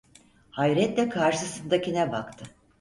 Hayretle karşısındakine baktı.